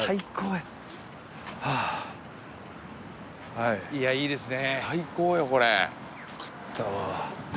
はいいやいいですね